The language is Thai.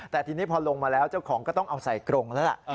แต่ทีนี้พอลงมาแล้วเจ้าของก็ต้องเอาใส่กรงแล้วล่ะ